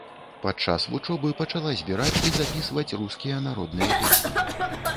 Падчас вучобы пачала збіраць і запісваць рускія народныя песні.